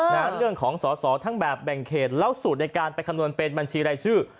เรื่องของสอสอทั้งแบบแบ่งเขตแล้วสูตรในการไปคำนวณเป็นบัญชีรายชื่อ